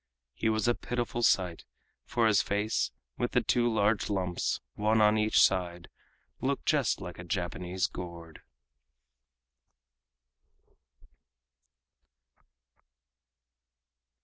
He was a pitiful sight, for his face, with the two large lumps, one on each side, looked just like a Japanese gourd.